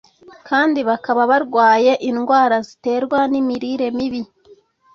kandi bakaba barwaye indwara ziterwa n'imirire mibi